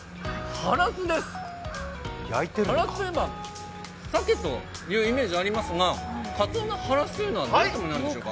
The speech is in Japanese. ハラスといえば、さけというイメージありますが、かつおのハラスというのは何というんでしょうか？